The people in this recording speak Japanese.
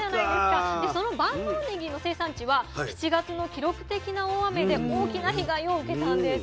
でその万能ねぎの生産地は７月の記録的な大雨で大きな被害を受けたんです。